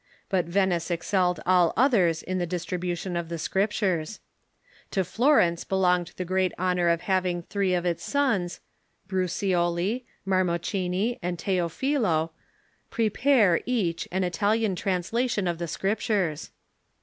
But Venice excelled all others in the distribution of the Scriptures. To Florence belonged the great honor of having three of its sons — Brucioli, Marraochini, and Teofilo — prepare, each, an Italian translation of the Scriptures.